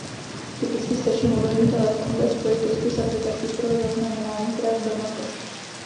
Typicky stačí mobilní telefon ve spojitosti s aplikací pro zaznamenávání tras do mapy.